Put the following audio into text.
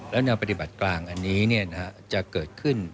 แล้วแนวปฏิบัติกลางอันนี้จะเกิดขึ้น